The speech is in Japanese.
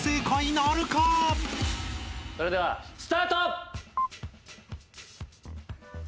それではスタート！